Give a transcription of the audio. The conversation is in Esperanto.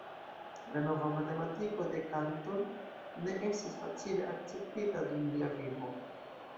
La nova matematiko de Cantor ne estis facile akceptita dum lia vivo.